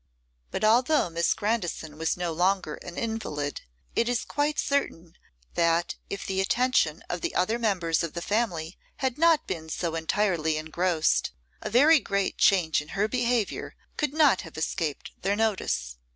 But although Miss Grandison was no longer an invalid, it is quite certain that if the attention of the other members of the family had not been so entirely engrossed, a very great change in her behaviour could not have escaped their notice.